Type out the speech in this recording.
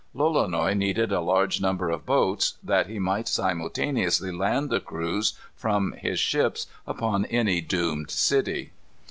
Lolonois needed a large number of boats, that he might simultaneously land the crews, from his ships, upon any doomed city.